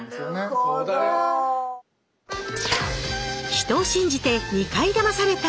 「人を信じて２回だまされた」